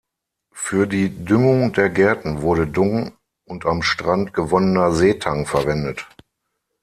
Für die Düngung der Gärten wurde Dung und am Strand gewonnener Seetang verwendet.